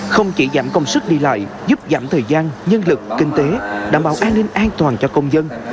không chỉ giảm công sức đi lại giúp giảm thời gian nhân lực kinh tế đảm bảo an ninh an toàn cho công dân